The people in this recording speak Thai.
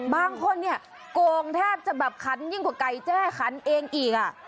บางคนเนี่ยโกงแทบจะแบบขันยิ่งกว่าไก่แจ้ขันเองอีก